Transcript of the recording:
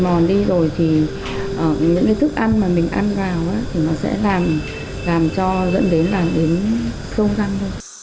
mòn đi rồi thì ở những cái thức ăn mà mình ăn vào đó thì nó sẽ làm làm cho dẫn đến là đến sông răng